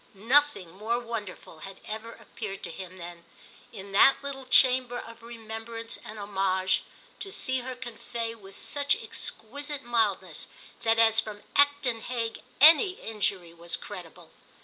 Nothing more wonderful had ever appeared to him than, in that little chamber of remembrance and homage, to see her convey with such exquisite mildness that as from Acton Hague any injury was credible.